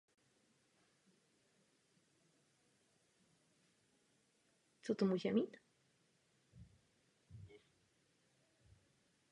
Leží na území Švýcarska v kantonu Valais nedaleko italské hranice.